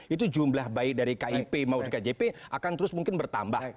itu jumlah baik dari kip maupun kjp akan terus mungkin bertambah